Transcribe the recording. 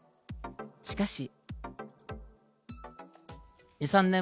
しかし。